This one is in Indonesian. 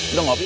udah gak opuk